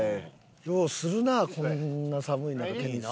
ようするなこんな寒い中テニス。